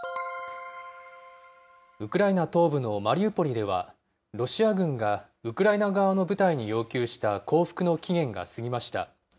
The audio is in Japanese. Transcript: ウクライナ東部のマリウポリでは、ロシア軍がウクライナ側の部隊に要求した降伏の期限が過ぎました。